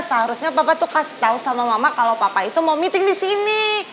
seharusnya bapak tuh kasih tahu sama mama kalau papa itu mau meeting di sini